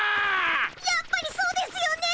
やっぱりそうですよね。